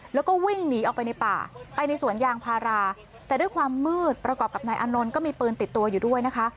แล้วก็วิ่งหนีออกไปในป่าไปในสวนยางพาราแต่ด้วยความมืดประกอบกับนายอานนท์ก็มีปืนติดตัวอยู่ด้วยนะคะ